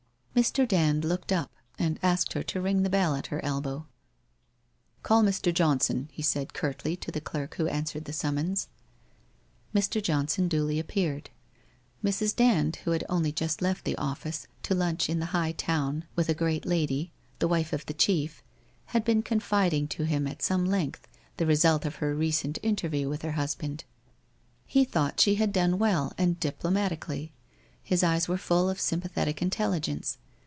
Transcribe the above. Mr. Dand looked up and asked her to ring the bell at her elbow. ' Call Mr. Johnson/ he said curtly to the clerk who answered the summons. Mr. Johnson duly appeared. Mrs. Dand, who had only just left the office to lunch in the High Town with a great lady, the wife of the chief, had been confiding to him at some length the result of her recent interview with her husband. He thought she had done well and diplo matically. His eyes were full of sympathetic intelligence.